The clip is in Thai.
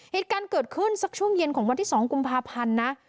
เหตุการณ์เกิดขึ้นสักช่วงเย็นของวันที่๒กุมภาพันธ์นะ